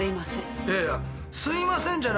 すいません。